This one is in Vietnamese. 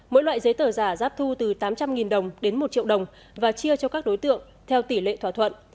mỗi loại giấy tờ giả giáp thu từ tám trăm linh đồng đến một triệu đồng và chia cho các đối tượng theo tỷ lệ thỏa thuận